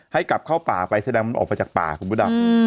ให้กลับเข้าป่าไปแสดงมันออกไปจากป่าคุณพระดำ